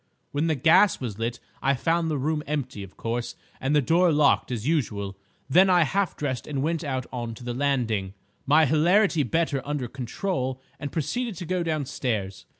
When the gas was lit I found the room empty, of course, and the door locked as usual. Then I half dressed and went out on to the landing, my hilarity better under control, and proceeded to go downstairs.